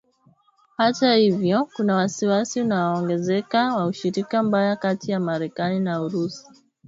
Hata hivyo kuna wasiwasi unaoongezeka wa ushiriki mbaya kati ya Marekani na Urusi.